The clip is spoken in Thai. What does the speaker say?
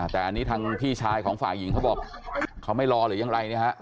แต่อันนี้ทางพี่ชายของฝ่ายหญิงเขาบอกเขาไม่รอหรือยังไรเนี่ยฮะ